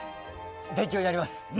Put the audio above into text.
勉強になります。